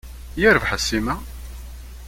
Yarbaḥ a Sima!